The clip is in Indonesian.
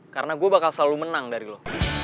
karena gue bakal selalu menang dari lo